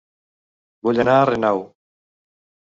Vull anar a Renau